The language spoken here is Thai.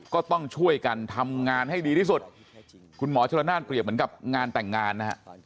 ก็ต้องช่วยกันทำงานให้ดีที่สุดคุณหมอชลนานเปรียบเหมือนกับงานแต่งงานนะฮะ